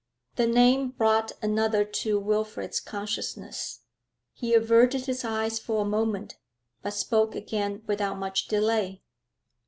The name brought another to Wilfrid's consciousness; he averted his eyes for a moment, but spoke again without much delay.